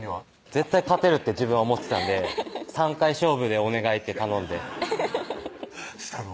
絶対勝てるって自分は思ってたんで「３回勝負でお願い」って頼んでしたの？